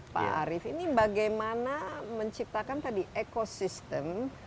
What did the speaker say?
pak arief ini bagaimana menciptakan tadi ekosistem